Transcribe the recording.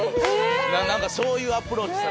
何かそういうアプローチされました。